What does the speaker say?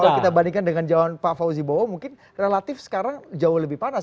kalau kita bandingkan dengan zaman pak fauzi bowo mungkin relatif sekarang jauh lebih panas